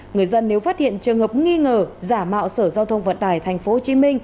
người dân nếu phát hiện trường hợp nghi ngờ giả mạo sở giao thông vận tải tp hcm